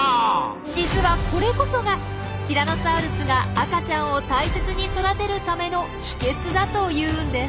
実はこれこそがティラノサウルスが赤ちゃんを大切に育てるための秘けつだというんです。